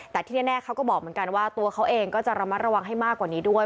แต่ที่แน่เขาก็บอกเหมือนกันว่าตัวเขาเองก็จะระมัดระวังให้มากกว่านี้ด้วย